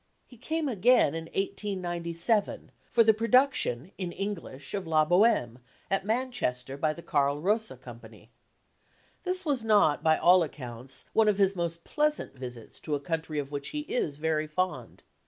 He came again in 1897 for the production in English of La Bohème at Manchester by the Carl Rosa Company. This was not, by all accounts, one of his most pleasant visits to a country of which he is very fond.